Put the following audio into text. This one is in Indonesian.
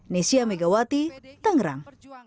nesya megawati tangerang